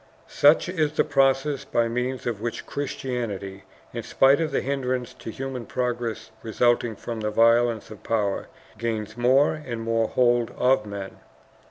"Such is the process by means of which Christianity, in spite of the hindrances to human progress resulting from the violence of power, gains more and more hold of men.